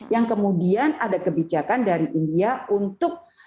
yang kemudian ada kebijakan dari india untuk